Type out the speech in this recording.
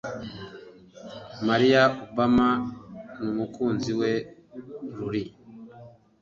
malia obama n’umukunzi we rory